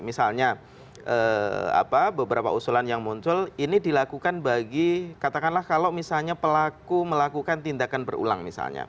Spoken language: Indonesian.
misalnya beberapa usulan yang muncul ini dilakukan bagi katakanlah kalau misalnya pelaku melakukan tindakan berulang misalnya